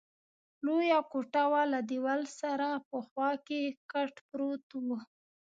لویه کوټه وه، له دېوال سره په خوا کې کټ پروت وو.